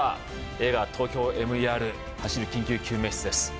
映画「ＴＯＫＹＯＭＥＲ走る緊急救命室」です